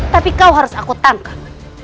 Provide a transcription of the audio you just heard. tapi kau harus aku tangkap